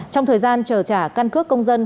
trong thời gian chờ trả căn cước công dân